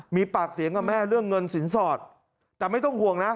มีปากเสียงกับแม่เรื่องเงินสินสอดแต่ไม่ต้องห่วงนะ